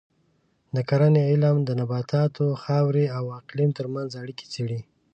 د کرنې علم د نباتاتو، خاورې او اقلیم ترمنځ اړیکې څېړي.